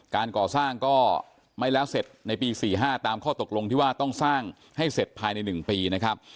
การก่อสร้างก็ไม่แล้วเสร็จในปี๔๕ตามข้อตกลงที่ว่าต้องสร้างให้เสร็จภายใน๑ปีนะครับ